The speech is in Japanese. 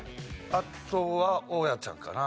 あとは大家ちゃんかな。